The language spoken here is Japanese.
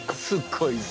すっごい。